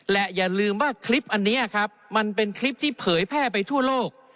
และอย่าลืมว่าคลิปอันนี้ครับมันเป็นคลิปที่เผยแพร่ไปทั่วโลก